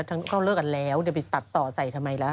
ก็เลิกกันแล้วเดี๋ยวไปตัดต่อใส่ทำไมล่ะ